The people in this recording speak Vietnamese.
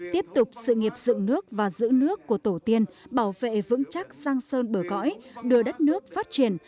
tiếp tục sự nghiệp dựng nước và giữ nước của tổ tiên bảo vệ vững chắc sang sơn bờ cõi đưa đất nước phát triển